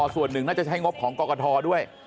ส่วนหนึ่งน่าจะใช้งบของกรกฐด้วย